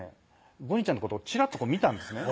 ゴニちゃんのことをちらっと見たんですね